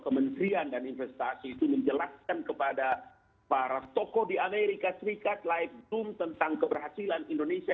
kementerian dan investasi itu menjelaskan kepada para tokoh di amerika serikat live zoom tentang keberhasilan indonesia